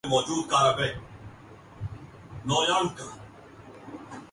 police کے مسائل کو بیان کرتی فلم دال چاول ریلیز